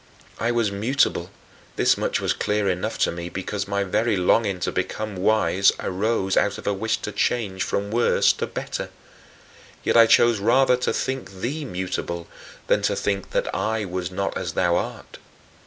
I was mutable this much was clear enough to me because my very longing to become wise arose out of a wish to change from worse to better yet I chose rather to think thee mutable than to think that I was not as thou art.